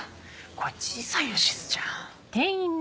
声小さいよしずちゃん。